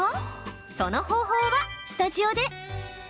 その方法はスタジオで。